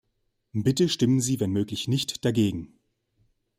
Bitte stimmen Sie wenn möglich nicht dagegen.